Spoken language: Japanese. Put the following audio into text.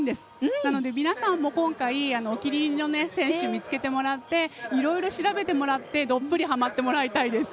なので皆さんも今回お気に入りの選手を見つけてもらっていろいろ調べてもらってどっぷりはまってもらいたいです。